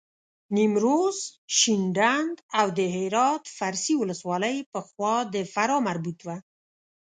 نیمروز، شینډنداو د هرات فرسي ولسوالۍ پخوا د فراه مربوط وه.